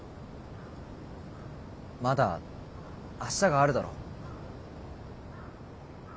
まだ明日があるだろ。